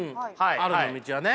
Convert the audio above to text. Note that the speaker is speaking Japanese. あるの道はね。ね？